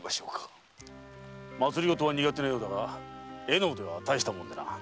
政は苦手なようだが絵の腕はたいしたもんだ。